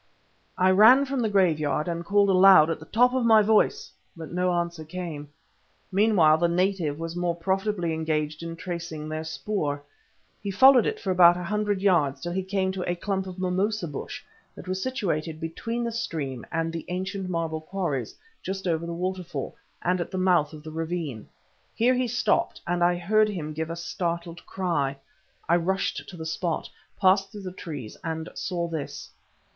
I ran from the graveyard and called aloud at the top of my voice, but no answer came. Meanwhile the native was more profitably engaged in tracing their spoor. He followed it for about a hundred yards till he came to a clump of mimosa bush that was situated between the stream and the ancient marble quarries just over the waterfall, and at the mouth of the ravine. Here he stopped, and I heard him give a startled cry. I rushed to the spot, passed through the trees, and saw this.